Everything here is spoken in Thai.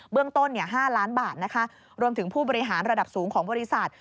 เรื่องต้น๕ล้านบาทนะคะรวมถึงผู้บริหารระดับสูงของบริษัท